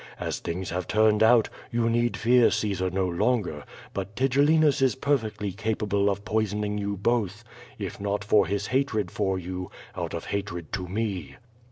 As things have turned out, you need fear Caesar no longer, but TigeHinus is perfectly capable of poisoning you both, if not for his hatred for you, out of hatred to me."